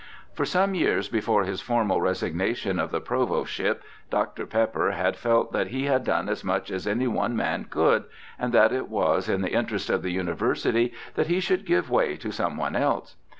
For some years before his formal resignation of the Provostship, Dr. Pepper had felt that he had done as much as any one man could, and that it was in the WILLIAM PEPPER 223 interest of the University that he should give way to some one else.